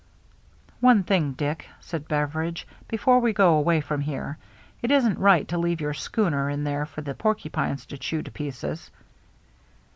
" One thing, Dick," said Beveridge, " before we go away from here, — it isn't right to leave your schooner in there for the porcupines to chew to pieces."